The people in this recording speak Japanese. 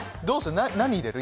何入れる？